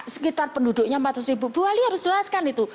sekitar penduduknya empat ratus ribu bu ali harus jelaskan itu